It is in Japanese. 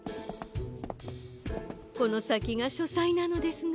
このさきがしょさいなのですが。